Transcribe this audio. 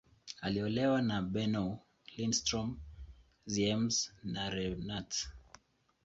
Aliolewa na Bernow, Lindström, Ziems, na Renat.